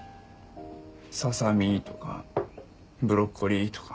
ささ身とかブロッコリーとか。